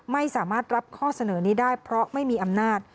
ไม่สามารถรับข้อเสนอนี้ได้เพราะไม่มีอำนาจ